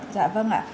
dạ vâng ạ